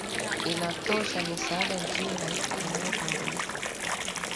inatoa misaada nchini haiti inayotambulika